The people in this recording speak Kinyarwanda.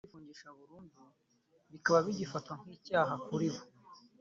Bityo kwifungisha burundu bikaba bigifatwa nk’icyaha kuribo